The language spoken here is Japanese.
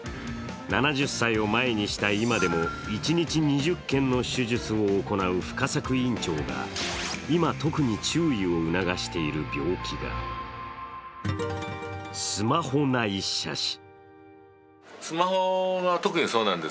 ７０歳を前にした今でも一日２０件の手術を行う深作院長が今、特に注意を促している病気がスマホ内斜視。